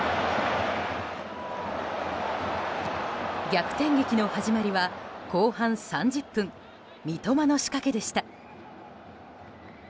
逆転劇の始まりは後半３０分三笘の仕掛けでした。